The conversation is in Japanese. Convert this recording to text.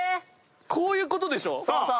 こういうことでしょ。